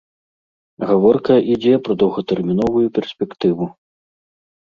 Гаворка ідзе пра доўгатэрміновую перспектыву.